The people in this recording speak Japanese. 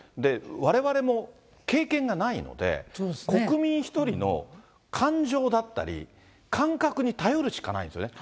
われわれも経験がないので、国民１人の感情だったり、感覚に頼るしかないんですよね。